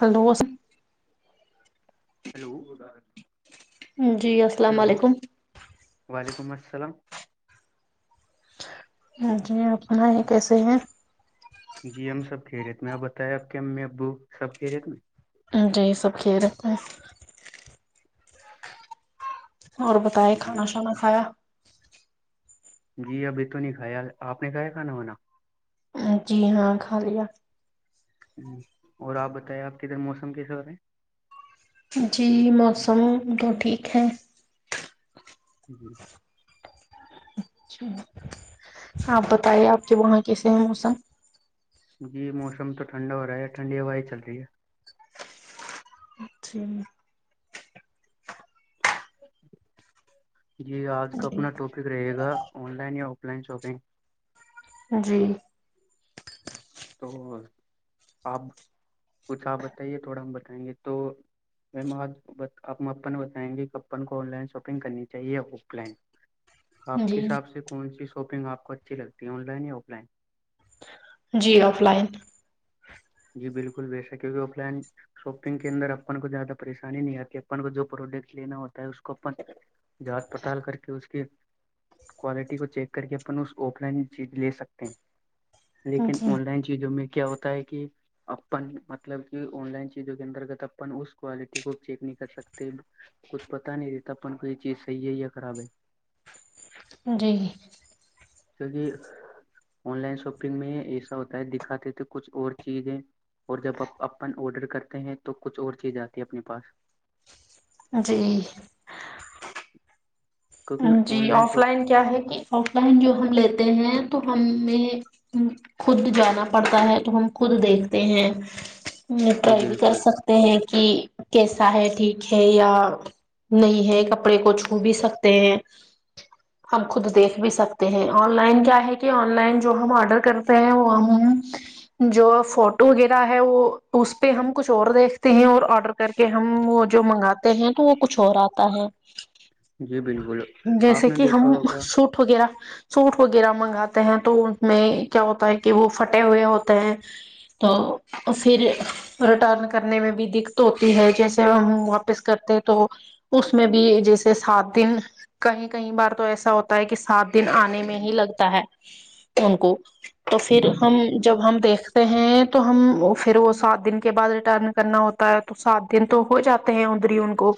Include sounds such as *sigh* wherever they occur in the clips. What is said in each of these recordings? hello hello جی السلام hello علیکم وعلیکم السلام جی اپنا یہ کیسے ہیں جی ہم سب کھیرییت میں آپ بتائیں آپ کے امی ابو سب کھیرییت میں جی سب ک رہتے ہیں تو اور بتائے کھانا شانا کھایا جی ابھی تو نہیں خیال آپ نے کہیا کھانا ہونا جی ہاں کھا لیا اور آپ بتائے آپ کدھر موسم کیسے بارے ہیں جی موسم تو ٹھیک ہے جی اچھا آپ بتائیے آپ کے وہاں کیسے ہیں موسم جی موسم تو ٹھنڈا ہو رہا ہے ٹھنڈی ہوائ چل رہی ہے اچری میں جی آج کا جی اپنا ٹاپک رہے گا آن لائن یا آف لائن شاپنگ جی تو آپ کچھ آپ بتائیے تھوڑا ہم بتائیں گے تو میم آج آپپن بتائیں گے کہ کپن کو آن لائن شاپنگ کرنی چاہیے آف لائن آپ کے جی حساب سے کون سی شاپنگ آپ کو اچھی لگتی آن لائن یا آف لائن جی آف لائن جی بالکل بےسک کیوںکہ آف لائن شاپنگ کے اندر اپن کو زیادہ پریشانی نہیں آتی اپن کو جو پروڈکٹ لینا ہوتا ہے اس کو اپن جانچ پڑتال کر کے اس کی کوالٹی کو چیک کر کے اپن اس آف لائن چیز لے سکتے ہیں لیکن جی آن لائن چیزوں میں کیا ہوتا ہے کہ اپن مطلب کہ آن لائن چیزوں کے انترگت اپن اس کوالٹی کو چیک نہیں کر سکتے کچھ پتا نہیں رہتا اپن کوئی چیز صحیح ہے یا خراب ہے جی کیونکہ آن لائن شاپنگ میں ایسا ہوتا ہے دکھاتے تھے کچھ اور چیزیں اور جب آ اپن آڈر کرتے ہیں تو کچھ اور چیز آتی ہے اپنے پاس جی کیونکہ جی آن آف شاپ لائن کیا ہے کہ آف لائن جو ہم لیتے ہیں تو ہمیں خود جانا پڑتا ہے تو ہم خود دیکھتے ہیں ہ جی پرائی بھی کر بالکل سکتے ہیں کہ کیسا ہے ٹھیک ہے یا نہیں ہے کپڑے کو چھو بھی سک ت *unintelligible* *inaudible* ہم خود دیکھ بھی سکتے ہیں آن لائن کیا ہے کہ آن لائن جو ہم آرڈر کر وہ ہم جو فوٹو وغیرہ ہے وہ اس پہ ہم کچھ اور دیکھ ہیں اور آڈر کر کے ہم وہ جو منگاتے ہیں تو وہ کچھ اور آتا ہے جی بالکل آپ جیسے نے کہ ہم دیکھا ہوگا سوٹ وغیرہ سوٹ وغیرہ منگاتے ہیں تو ان میں کیا ہوتا ہے کہ وہ پھٹے ہوئے ہوتے ہیں تو *unintelligible* *inaudible* پھر ریٹرن کرنے میں بھی دقت ہوتی ہے جیسے ہم واپس کرتے تو اس میں بھی جیسے ساد س دن کہیں کہیں بار تو ایسا ہوتا ہے کہ سات دن آنے میں ہی لگتا ہے ان کو تو پھر ہم جب ہم دیکھ *inaudible* تو ہم پھر وہ سات دن کے بعد ریٹرن کرنا ہوتا ہے تو سات دن تو ہو جاتے ہیں ان ان کو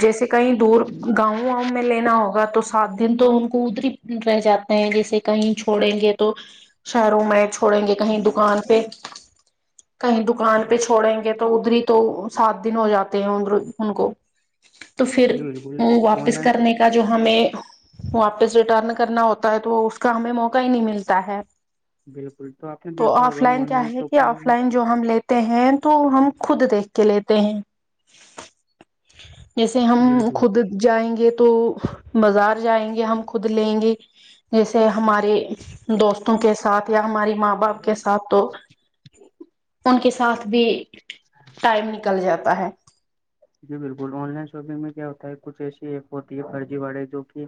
جیسے کہیں دور گاؤں واؤں میں لینا ہوگا تو سات دن تو ان کو ادری رہ جاتے ہیں جیسے کہیں چھوڑیں گے تو شہروں میں چھوڑیں گے کہیں دکان پہ *inaudible* کہیں دکان پہ چھوڑیں گے تو ادھر ہی تو سات دن ہو جاتے ہیں ادھر ان کو تو پھر جی بالکل وہ آن واپس لائن کرنے کا جو ہمیں واپس ریٹرن کرنا ہوتا ہے تو وہ اس کا ہمیں موقع ہی نہیں ملتا ہے بالکل آپ نے تو دیکھا آف ہوگا لائن آن کیا ہے کہ شاپنگ آف میں لائن جو ہم لیتے ہیں تو ہم خود دیکھ کے لیتے ہیں جیسے ہم خود بالکل جائیں گے تو بازار جائیں گے ہم خود لیں گے جیسے ہمارے دوستوں کے ساتھ یا ہماری ماں باپ کے ساتھ تو ان کے ساتھ بھی ٹائم نکل جاتا ہے جی بالکل آن لائن شاپنگ میں کیا ہوتا ہے کچھ ایسی ایپ ہوتی ہے فرضی والے جو کہ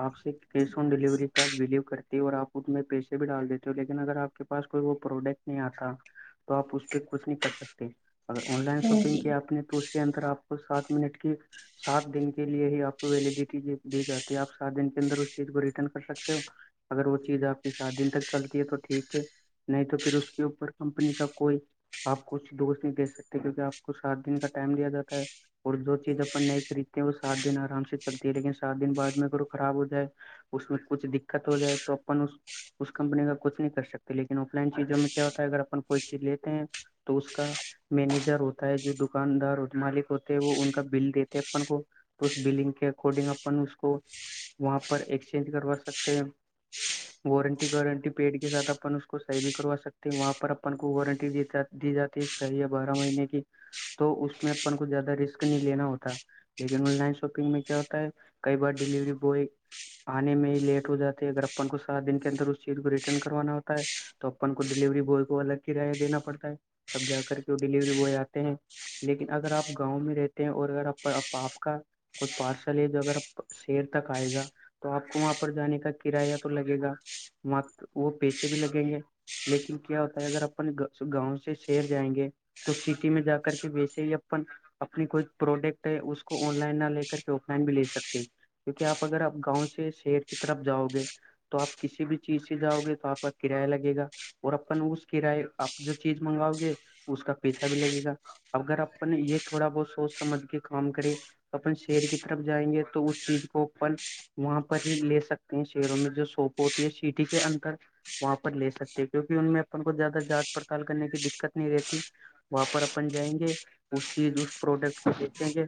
آپ سے کیش آن ڈیلیوری کا بلیو کرتی ہے اور آپ اس میں پیسے بھی ڈال دیتے ہ لیکن اگر آپ کے پاس کوئی وہ پروڈکٹ نہیں آتا تو آپ اس پہ کچھ نہیں کر سکتے اگر آن لائن شاپنگ جی کیا آپ نے تو اس کے اندر آپ کو سات منٹ کی سات دن کے لیے ہی آپ کو ویلیڈیٹی دی جاتی ہے آپ سات دن کے اندر اس چیز کو ریٹرن کر سکتے ہو اگر وہ چیز آپ کے سات دن تک چلتی ہے تو ٹھیک ہے نہیں تو پھر اس کے اوپر کمپنی کا کوئی آپ کچھ دوست نہیں دیکھ سکتے کرک آپ کو سات دن کا ٹائم دیا جاتا ہے اور جو چیز اپن نہیں خریدتے ہیں وہ سات دن آرام سے چلتی ہے لیکن سات دن بعد میں ا خراب ہو جائے اس میں کچھ دقت ہو جائے تو اپن اس کمپنی کا کچ نہیں کر سکتے لیکن آف لائن چیزوں میں کیا ہوتا ہے اگر اپن کوئی چیز لیتے ہیں تو اس کا مینیجر ہوتا ہے جو دکاندار مالک ہوتے ہیں وہ ان کا بل دیتے اپن کو تو اس بلنگ کے اکارڈنگ اپن اس کو وہاں پر ایکسچینج کروا سکتے ہیں وارنٹی وارنٹی پیڈ کے ساتھ اپن اس کو صحیح بھی کروا سکتے ہیں وہاں پر اپن کو وارنٹی دیات دی جاتی چاہیے بارہ مہینے کی تو اس میں اپن کوھ زیادہ رسک نہیں لینا ہوتا لیکن آن لائن شاپنگ میں کیا ہوتا ہے کئی بار ڈیلیوری بوائے آنے میں ہی لیٹ ہو جاتے اگر اپن کو سات دن کے اندر اس چیز کو ریٹرن کروانا ہوتا ہے تو اپن کو ڈیلیوری بوائے کو الگ کرایہ دینا پڑتا ہے تب جا کر کے وہ ڈیلیوری بوائے آتے ہیں لیکن اگر آپ گاؤں میں رہتے ہیں اور اگر آ آپ کا کچھ پارسل ہے جو اگر شیر تک آئے گا تو آپ کو وہاں پر جانے کا کرایہ تو لگے گا وہاں وہ پیسے بھی لگیں گے لیکن کیا ہوتا ہے اگر اپنے گاؤں سے شہر جائیں گے تو سٹی میں جا کر ویسے ہی اپن اپنی کوئی پروڈکٹ ہے اس کو آن لائن نہ لے کر کے آف لائن بھی لے سکتے کیونکہ آپ اگر گاؤں سے شہر کی طرف جاؤ گے تو آپ کسی بھی چیز سے جاؤ گے تو آپ کا کرایہ لگے گا اور اپن اس کراائے آپ جو چیز منگواؤ گے اس کا پیسہ بھی لگے گا اگر اپن یہ تھوڑا بہت سوچ سمجھ کے کام کرے اپن شیر کی طرف جائیں گے تو اس چیز کو پل وہاں پر ہی لے سکتے ہیں شہروں میں جو سوپ ہوتی ہے سٹی کے اندر وہاں پر لے سکتے کیونکہ ان میں اپن کو زیادہ جانچ پڑتال کرنے کی دقت نہیں رہتی وہاں پر اپن جائیں گے اس چیز اس پروڈکٹ کو دیکچیں گے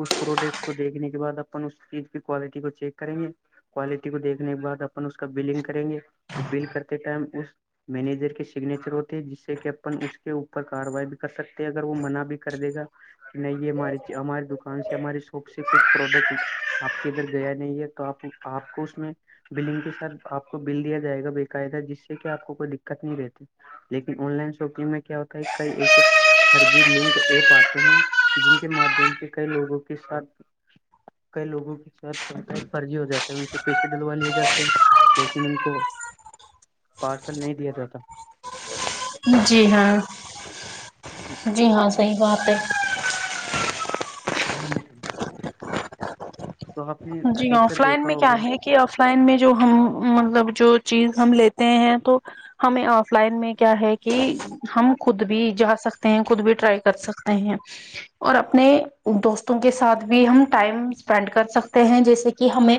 اس پروڈکٹ کو دیکھنے کے بعد اپن اس چیز کی کوالٹی کو چیک کریں گے کوالٹی کو دیکھنے کے بع اپن اس کا بلنگ کریں گے وہ بل کرتے ٹائم اس مینیجر کے سگنیچر ہوتے ہے جس سے کہ اپن اس کے اوپر کاروائی بھی کر سکتے اگر وہ منع بھی کر دے گا نہیں یہ ہماری ہماری دکان سے ہماری شاپ سے کچھ پروڈکٹ آپ کے ادھر گیا نہیں ہے تو آپ آپ کو اس میں بلنگ کے ساتھ آپ کو بل دیا جائے گا بےقاعدہ جس سے کہ آپ کو کوئی دقت نہیں رہتی لیکن آن لائن شاپنگ میں کیا ہوتا ہے کئی ایسے فرضی لنک ایپ آتے ہیں جن کے مادھیم سے کئی لوگوں کے ساتھ کئی لوگوں کے ساتھ فرضی ہو جاتا ہے ان سے پیسے ڈلوا لیے جاتے ہیں لیکن ان کو پارسل نہیں دیا جاتا جی ہاں جی ہاں صحیح بات ہے کیا ہی نہیں سھا جی آف لائن دیکھا میں کیا ہوگا ہے کہ آف لائن میں جو ہم مطلب جو چیز ہم لیتے ہیں تو ہمیں آف لائن میں کیا ہے کہ ہم خود بھی جا سکتے ہیں خود بھی ٹرائی کر سکتے ہیں اور اپنے دوستوں کے ساتھ بھی ہم ٹائم اسپینڈ کر سکتے ہیں جیسے کہ ہمیں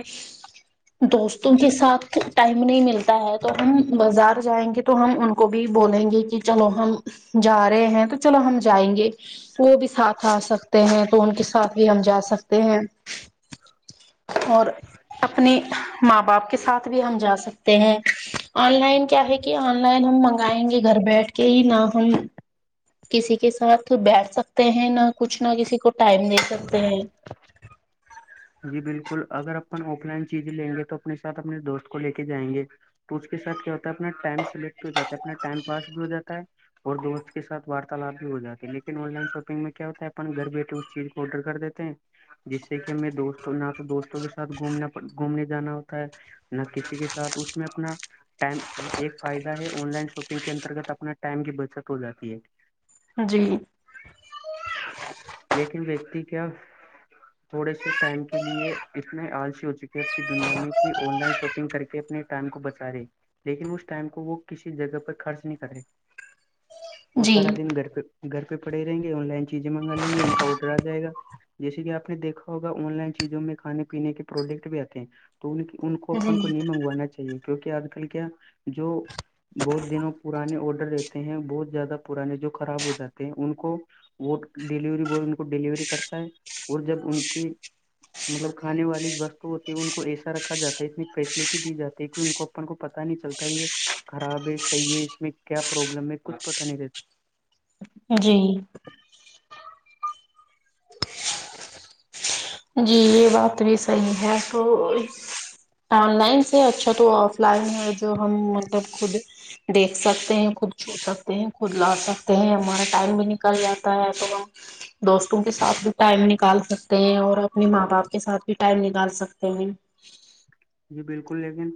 دوستوں کے ساتھ ٹائم نہیں ملتا ہے تو ہم بازار جائیں گے تو ہم ان کو بھی بولیں گے کہ چلو ہم جا رہے ہیں تو چلو ہم جائیں گے وہ بھی ساتھ آ سکتے ہیں تو ان کے ساتھ بھی ہم جا سکتے ہیں اور اپنی ماں باپ کے ساتھ بھی ہم جا سکتے ہیں آن لائن کیا ہے کہ آن لائن ہم منگائیں گے گھر بیٹھ کے ہی نہ ہم کسی کے ساتھ بیٹھ سکتے ہیں نہ کچھ نہ کسی کو ٹائم دے سکتے ہیں جی بالکل اگر اپن آف لائن چیزیں لیں گے تو اپنے ساتھ اپنے دوست کو لے کے جائیں گے تو اس کے ساتھ کیا ہوتا ہے اپنا ٹائم سلیکٹ بھی ہو جاتا ہے اپنا ٹائم پاس بھی ہو جاتا ہے اور دوست کے سات وارتالپ بھی ہو جاتے ہیں لیکن آن لائن شاپنگ میں کیا ہوتا ہے اپن گھر بیٹھے اس چیز آڈر کر دیتے ہیں جس سے کہ ہم دوستوں نہ تو دوستوں کے ساتھ گھومنا گھومنے جانا ہوتا ہے نہ کسی کے ساتھ اس میں اپنا ٹائم ایک فائدہ ہے آن لائن شاپنگ کے انترگت اپنا ٹائم کی بچت ہو جاتی ہے جی لیکن ویکتی کیا تھوڑے سے ٹائم کے لیے اتنے آلسی ہو چکی اب کی دنیا میں کہ آن لائن شاپنگ کر کے اپنے ٹائم کو بچا رہے لیکن اس ٹائم کو وہ کسی جگہ پر خرچ نہیں کر رہے وہ جی سارا دن گھر پہ گھر پہ پڑھے رہیں گے آن لائن چیزیں منگا لیں گے ان کا آڈر آ جائے گا جیسے کہ آپ نے دیکھا ہوگا آن لائن چیزوں میں کانے پینے کے پروڈکٹ بھی آتے ہیں تو ان ان کو جی اپن کو نہیں منگوانا چاہیے کیونکہ آج کل کیا جو بہت دنوں پرانے آڈر لیتے ہیں بہت زیادہ پرانے جو خراب ہو جاتے ہیں ان کو وہ ڈیلیوری بوائے ان کو ڈیلیوری کرتا ہے اور جب ان کی مطلب کھانے والی وستو ہوتی ہے ان کو ایسا رکھا جاتا ہے اتنی فیسلٹی دی جاتی ہے کہ ان کو کو پتا نہیں چلتا یہ خراب ہے صحیح ہے اس میں کیا پروابلم ہے کچھ پتا نہیں رہتا جی جی یہ بات بھی صحیح ہے تو آن لائن سے اچھا تو آف لائن ہے جو ہم مطلب خود دیکھ سکتے ہیں خود چھو سکتے ہیں خود لا سکتے ہیں ہمارا ٹائم بھی نکل جاتا ہے تو ہم دوستوں کے ساتھ بھی ٹائم نکال سکتے ہیں اور اب اپنے ماں باپ کے ساتھ بھی ٹائم نکال سکتے ہیں جی بالکل لیکن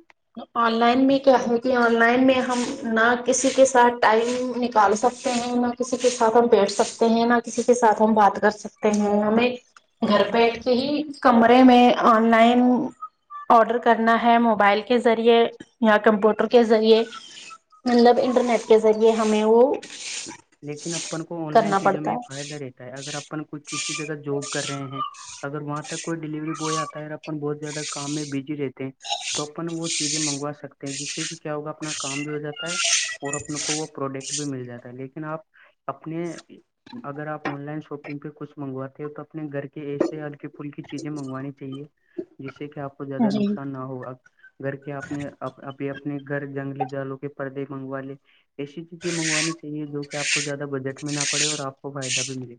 آن لائن میں کیا ہے کہ آن لائن میں ہم نہ کسی کے ساتھ ٹائم نکال سکتے ہیں نہ نہ کسی کے ساتھ ہم بیٹھ سکتے ہیں نہ کسی کے سھ ہم بات کر سکتے ہیں ہمیں گھر بیٹھ کے ہی کمرے میں آن لائن آڈر کرنا ہے موبائل کے ذریعے یا کمپیوٹر کے ذریعے مطلب انٹرنیٹ کے ذریعے ہمیں وہ لیکن اپن کو آن لائن کرنا چیزوں میں پڑتا ایک ہے فائدہ رہتا ہے اگر اپن کوئی کسی جگہ جاب کر رہے ہیں اگر وہاں تک کوئی ڈیلیوری بوائے آتا ہے اور اپن بہت زیادہ کام میں بزی رہتے ہیں تو اپن وہ چیزیں منگوا سکتے ہیں جس سے کہ کیا ہوگا اپنا کام بھی ہو جاتا ہے اور اپن کو وہ پروڈکٹ بھی مل جاتا ہے لیکن آپ اپنے اگر آپ آن لائن شاپنگ پہ کچھ منگواتے ہو تو اپنے گھر کے ایسےیا ہلکے پھل کی چیزیں منگوانی چاہیے جس سے کہ آپ کو زیادہ جی نقصان نہ ہوگا گھر کے اپنے ابھی اپنے گھر جنگلی جالوں کے پردے منگوا لیے ایسی چیزیں منگوانی چاہیے جو کہ آپ کو زیادہ بجٹ میں نہ پڑے اور آپ کو فائدہ بھی ملے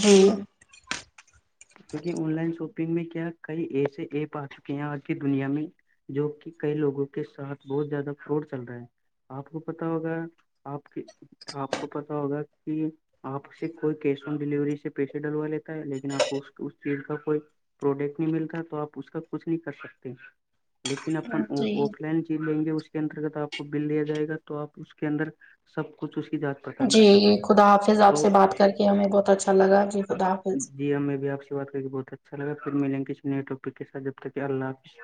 جی کیونکہ آن لائن شاپنگ میں کیا کئی ایسے ایپ آ چکے ہیں آج کی دنیا میں جو کہ کئی لوگوں کے ساتھ بہت زیادہ فراڈ چل رہا ہے آپ کو پت ہوگا آپ کے آپ کو پتا ہوگا کہ آپ سے کوئی کیش آن ڈیلیوری سے پیسے ڈلوا لیتا ہے لیکن آپ چیل کا کوئی پروڈکٹ نہیں ملتا تو آپ اس کا کچھ نہیں کر سکتے لیکن اپن ہاں جی آک لینڈ جیت لیں گے اس کی انترگت آپ کو بل دیا جائے گا تو آپ اس کے اندر سب کچھ اس کی جات جی خدا حافظ آپ سے بات کر کے ہمیں بہت اچھا لگا جی خدا حافظ جی ہمیں بھی آ سے بات کری گ بہت اچھا لگا پھر ملیں گے کسی نئے اپک کے سات جب تک کہ اللہ حافظ